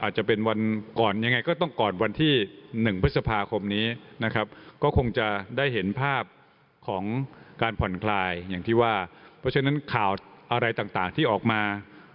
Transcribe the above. หามัดตรการมา